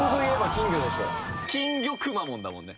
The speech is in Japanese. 金魚くまモンだもんね